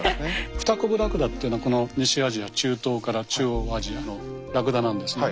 フタコブラクダっていうのはこの西アジア中東から中央アジアのラクダなんですね。